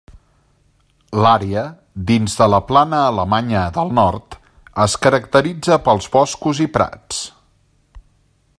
L'àrea dins de la Plana Alemanya del Nord es caracteritza pels boscos i prats.